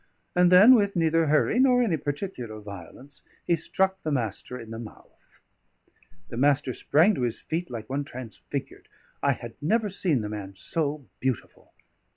And then, with neither hurry nor any particular violence, he struck the Master in the mouth. The Master sprang to his feet like one transfigured; I had never seen the man so beautiful.